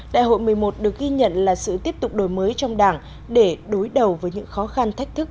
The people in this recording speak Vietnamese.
đại hội một mươi một được ghi nhận là sự tiếp tục đổi mới trong đảng để đối đầu với những khó khăn thách thức